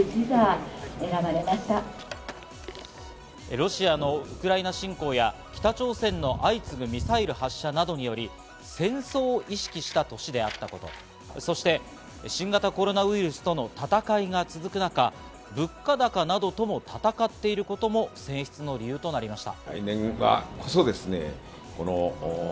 ロシアのウクライナ侵攻や北朝鮮の相次ぐミサイル発射などにより、戦争を意識した年であったこと、そして新型コロナウイルスとの戦いが続く中、物価高などとも戦っていることも選出の理由となりました。